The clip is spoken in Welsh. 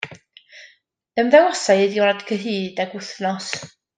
Ymddangosai y diwrnod cyhyd ag wythnos.